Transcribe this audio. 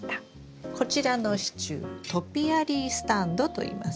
こちらの支柱トピアリースタンドと言います。